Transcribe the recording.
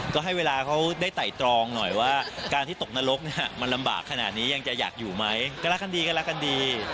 ก็ให้เวลาเขาได้ไต่ตรองหน่อยว่าการที่ตกนรกเนี่ยมันลำบากขนาดนี้ยังจะอยากอยู่ไหมก็รักกันดีก็รักกันดี